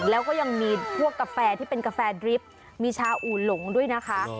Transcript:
แล้วก็ยังมีพวกกาแฟที่เป็นกาแฟดริปมีชาอู่หลงด้วยนะคะ